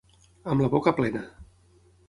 Amb la boca plena.